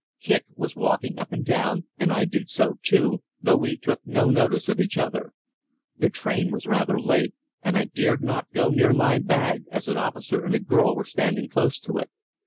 Kicq was walking up and down, and I did so too, though we took no notice of each other. The train was rather late, and I dared not go near my bag as an officer and a girl were standing close to it.